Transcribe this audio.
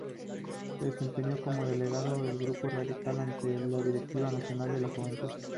Se desempeñó como delegado del Grupo Radical ante la Directiva Nacional de la Juventud.